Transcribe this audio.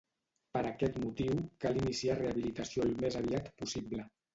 Per aquest motiu, cal iniciar rehabilitació al més aviat possible.